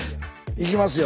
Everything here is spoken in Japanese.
いきますよ。